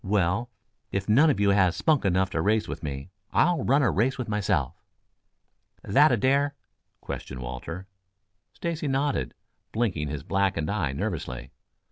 Well, if none of you has spunk enough to race with me, I'll run a race with myself." "That a dare?" questioned Walter. Stacy nodded, blinking his blackened eye nervously.